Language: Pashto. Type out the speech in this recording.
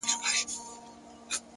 لوړ لید واټنونه کوچني کوي،